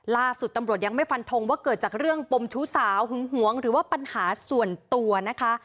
ล่าสุดตำรวจยังไม่ฟันทงว่าเกิดจากเรื่องปมชู้สาวหึงหวงหรือว่าปัญหาส่วนตัวนะคะ